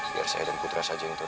biar saya dan putra saja yang tahu